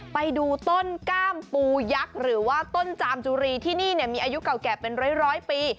ไปดูต้นกล้ามปูยักษ์หรือว่าต้นจามจุรีที่นี่มีอายุเก่าแก่เป็นร้อยปี